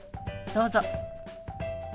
どうぞ。